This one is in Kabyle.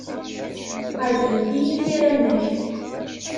Ɛejbent-iyi tira-nnek.